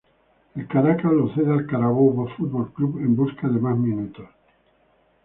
El Caracas lo cede al Carabobo Fútbol Club en busca de más minutos.